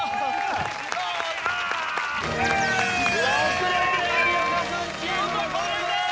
遅れて有岡君チームもゴールです。